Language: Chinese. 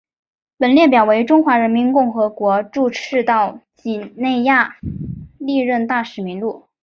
本列表为中华人民共和国驻赤道几内亚历任大使名录。